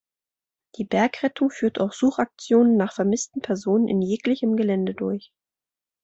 Die Bergrettung führt auch Suchaktionen nach vermissten Personen in jeglichem Gelände durch.